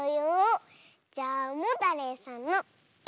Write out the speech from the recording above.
じゃあモタレイさんの「イ」。